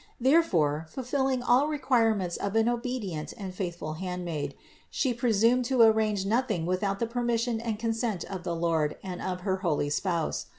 Therefore, fulfilling all requirements of an obedient and faithful handmaid, She presumed to arrange nothing without the permission and consent of the Lord and of her holy spouse.